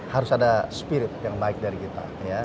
harus ada spirit yang baik dari kita